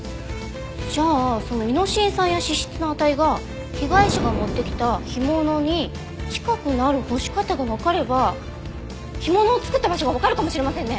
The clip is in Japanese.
じゃあそのイノシン酸や脂質の値が被害者が持ってきた干物に近くなる干し方がわかれば干物を作った場所がわかるかもしれませんね。